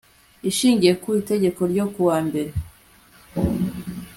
ishingiye ku itegeko ryo kuwa mbere